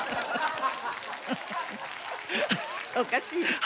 おかしい？